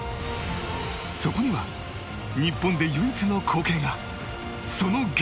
そこには日本で唯一の光景が